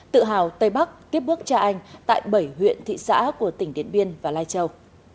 tự hào tây bắc tiếp bước tra anh tại bảy huyện thị xã của tỉnh điện biên và lai châu